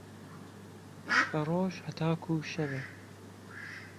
به ڕۆژ ههتاکوو شەوێ